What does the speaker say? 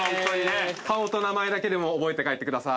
顔と名前だけでも覚えて帰ってください。